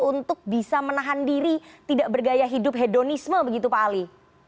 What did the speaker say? untuk bisa menahan diri tidak bergaya hidup hedonisme begitu pak ali